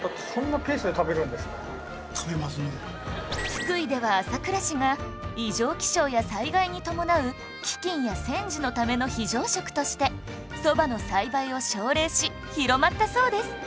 福井では朝倉氏が異常気象や災害に伴う飢饉や戦時のための非常食としてそばの栽培を奨励し広まったそうです